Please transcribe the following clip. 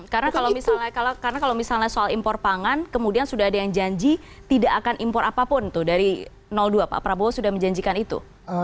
karena kalau misalnya soal impor pangan kemudian sudah ada yang janji tidak akan impor apapun tuh dari dua pak prabowo sudah menjanjikan itu